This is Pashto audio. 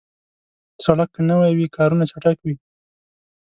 سړک که نوي وي، کارونه چټک وي.